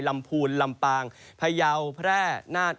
พูนลำปางพยาวแพร่นาฏ